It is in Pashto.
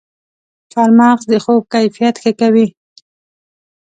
چارمغز د خوب کیفیت ښه کوي.